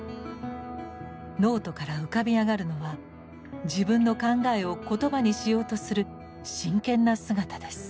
ノートから浮かび上がるのは自分の考えを言葉にしようとする真剣な姿です。